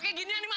gitu gitu gitu